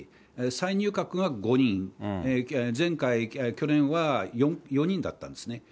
再入閣が５人、前回・去年は４人だったんですね。